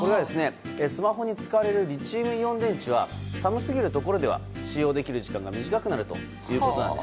スマホに使われるリチウムイオン電池は寒すぎるところでは使用できる時間が短くなるということなんです。